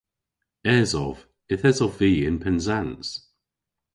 Esov. Yth esov vy yn Pennsans.